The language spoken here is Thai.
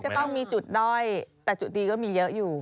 ก็ต้องมีจุดด้อยแต่จุดดีก็มีเยอะอยู่